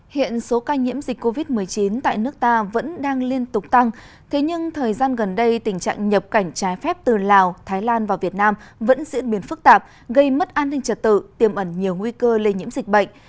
hiện số ca nhiễm dịch covid một mươi chín tại nước ta vẫn đang liên tục tăng thế nhưng thời gian gần đây tình trạng nhập cảnh trái phép từ lào thái lan vào việt nam vẫn diễn biến phức tạp gây mất an ninh trật tự tiêm ẩn nhiều nguy cơ lây nhiễm dịch bệnh